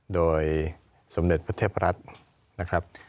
โดยสมเด็จพระเทพรัฐนะครับ